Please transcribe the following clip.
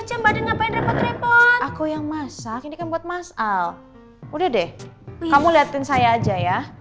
coba lo ketinduhin bugs dua atau huke aja